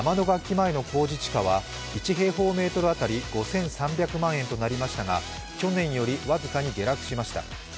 楽器前の公示地価は１平方メートル当たり５３００万円となりましたが、去年より僅かに下落しました。